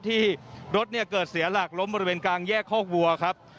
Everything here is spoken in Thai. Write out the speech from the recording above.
ที่รถเนี่ยเกิดเสียหลักล้มบริเวณกลางแยกคอกวัวครับ